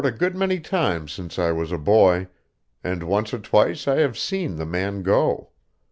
a good many times since I was a boy, and once or twice I have seen the man go.